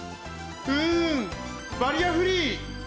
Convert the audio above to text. うんバリアフリー！